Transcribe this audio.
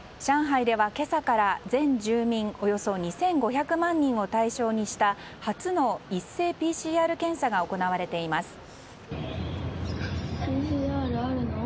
上海では今朝から、全住民およそ２５００万人を対象にした初の一斉ＰＣＲ検査が行われています。